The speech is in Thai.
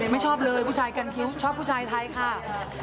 ไม่ชอบเลยผู้ชายกันคิ้วชอบผู้ชายไทยค่ะ